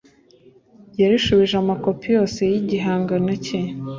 yarishubije amakopi yose y igihangano cye